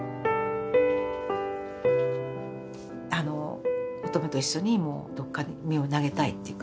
あの音十愛と一緒にもうどっかに身を投げたいっていうかね